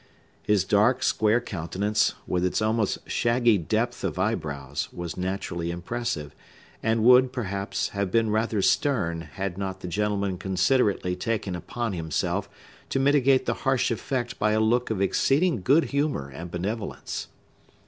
His dark, square countenance, with its almost shaggy depth of eyebrows, was naturally impressive, and would, perhaps, have been rather stern, had not the gentleman considerately taken upon himself to mitigate the harsh effect by a look of exceeding good humor and benevolence.